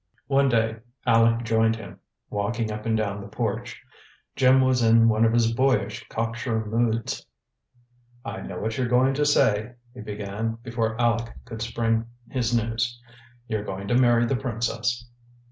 One day Aleck joined him, walking up and down the porch. Jim was in one of his boyish, cocksure moods. "I know what you're going to say," he began, before Aleck could spring his news. "You're going to marry the princess."